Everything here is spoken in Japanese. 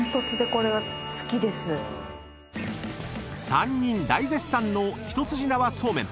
［３人大絶賛の一筋縄そうめん］